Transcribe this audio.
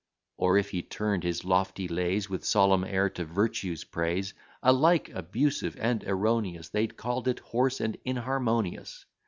Or, if he tuned his lofty lays, With solemn air to Virtue's praise, Alike abusive and erroneous, They call'd it hoarse and inharmonious.